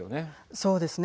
そうですね。